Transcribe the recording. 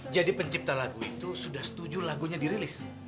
jadi pencipta lagu itu sudah setuju lagunya dirilis